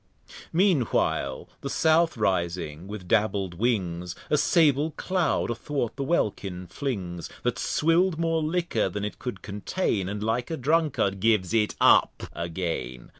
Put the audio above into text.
Mean while the South rising with dabbled Wings, A Sable Cloud a thwart the Welkin flings, That swill'd more Liquor than it could contain, And like a Drunkard gives it up again.